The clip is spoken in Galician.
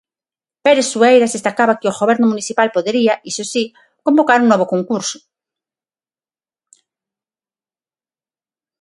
Pérez Sueiras destacaba que o Goberno municipal podería, iso si, convocar un novo concurso.